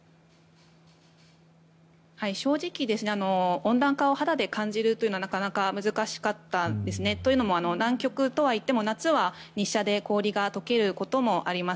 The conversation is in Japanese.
正直、温暖化を肌で感じるというのはなかなか難しかったですね。というのも、南極とはいっても夏は日射で氷が解けることもあります。